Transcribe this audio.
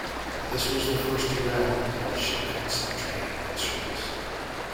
This was the first derailment of a Shinkansen train in service.